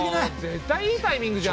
絶対いいタイミングじゃん！